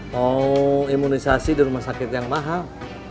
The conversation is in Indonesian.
mau imunisasi di rumah sakit yang mahal